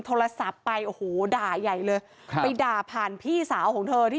โทรศัพท์ไปโอ้โหด่าใหญ่เลยครับไปด่าผ่านพี่สาวของเธอที่